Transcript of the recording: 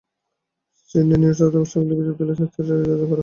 সিডনির New South Wales বিশ্ববিদ্যালয়ের science থিয়েটারে এ আয়োজন করা হয়েছে।